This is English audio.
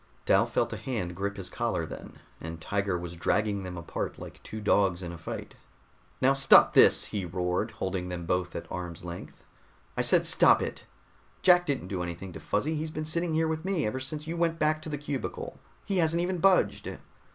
Dal felt a hand grip his collar then, and Tiger was dragging them apart like two dogs in a fight. "Now stop this!" he roared, holding them both at arm's length. "I said stop it! Jack didn't do anything to Fuzzy, he's been sitting here with me ever since you went back to the cubicle. He hasn't even budged."